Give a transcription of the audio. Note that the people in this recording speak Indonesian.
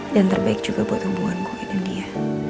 dan terbaik juga buat hubunganku sama dia